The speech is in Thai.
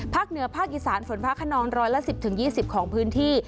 ภาคเหนือภาคอีสานฝนฟ้าขนองร้อยละสิบถึงยี่สิบของพื้นที่